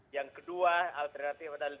yang kedua alternatif adalah